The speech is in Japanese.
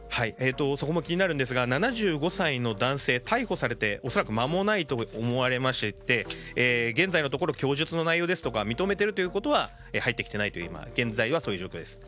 そこも気になりますが７５歳の男性逮捕されて恐らくまもないと思われまして現在のところ供述の内容とか認めているということは入ってきていないという現在はそういう状況です。